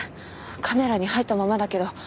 カメラに入ったままだけど。